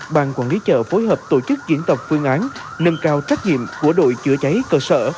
ban quản lý chợ phối hợp tổ chức diễn tập phương án nâng cao trách nhiệm của đội chữa cháy cơ sở